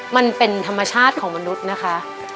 มันเป็นธรรมชาติของมนุษย์นะคะ